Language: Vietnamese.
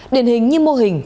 điển hình như mô hình